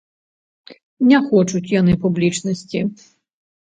Не хочуць яны публічнасці.